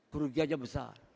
perugi aja besar